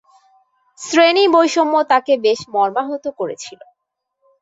শ্রেণী-বৈষম্য তাকে বেশ মর্মাহত করেছিল।